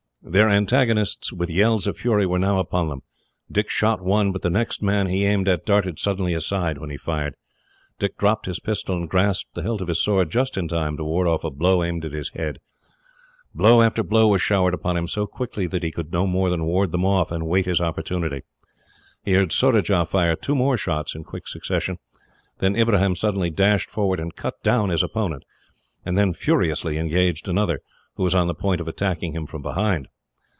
Their antagonists, with yells of fury, were now upon them. Dick shot one, but the next man he aimed at darted suddenly aside when he fired. Dick dropped his pistol, and grasped the hilt of his sword just in time to ward off a blow aimed at his head. Blow after blow was showered upon him, so quickly that he could do no more than ward them off and wait his opportunity. He heard Surajah fire two more shots in quick succession; then Ibrahim suddenly dashed forward and cut down his opponent, and then furiously engaged another, who was on the point of attacking him from behind.